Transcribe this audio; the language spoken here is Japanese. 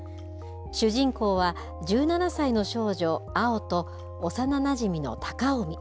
主人公は、１７歳の少女、碧と、幼なじみの貴臣。